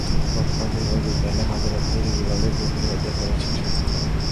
গতকাল শনিবার বিকেলে হাজেরা তুজ ডিগ্রি কলেজে ভর্তি হতে পেরেছে সে।